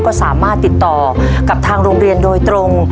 ก็สามารถติดต่อกับทางโรงเรียนโดยตรง